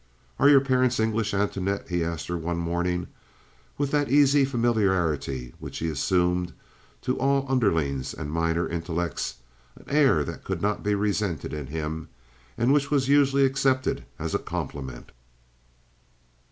"Are your parents English, Antoinette?" he asked her, one morning, with that easy familiarity which he assumed to all underlings and minor intellects—an air that could not be resented in him, and which was usually accepted as a compliment.